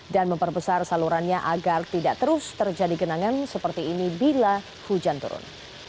dan memperbesar salurannya agar tidak terus terjadi genangan seperti ini bila hujan turun